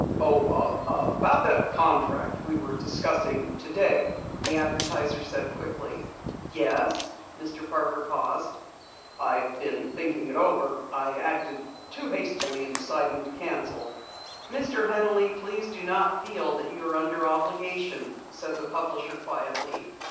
"Oh, about that contract we were discussing today," the advertiser said quickly. "Yes?" Mr. Parker paused. "I've been thinking it over. I acted too hastily in deciding to cancel." "Mr. Henley, please do not feel that you are under obligation," said the publisher quietly.